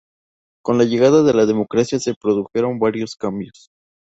Con la llegada de la democracia se produjeron varios cambios.